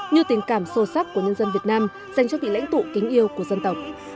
như tình cảm sâu sắc của nhân dân việt nam dành cho vị lãnh tụ kính yêu của dân tộc